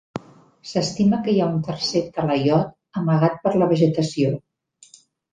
S'estima que hi ha un tercer talaiot amagat per la vegetació.